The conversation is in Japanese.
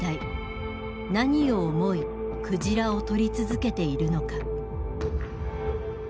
何を思い鯨を獲り続けているのか。